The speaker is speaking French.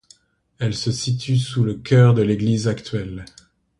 Elle se situe sous le chœur de l'église actuelle.